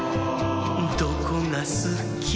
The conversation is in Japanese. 「どこがすき？」